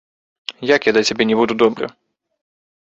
Як я да цябе не буду добры?